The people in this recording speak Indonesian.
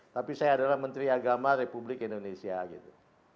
tapi saya adalah menteri agama republik indonesia gitu